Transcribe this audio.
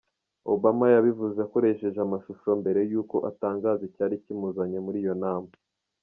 , Obama yabivuze akoresheje amashusho mbere y’uko atangaza icyari kimuzanye muri iyo nama.